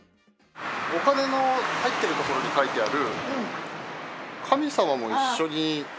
お金の入っているところに書いてある「神様も一緒に」。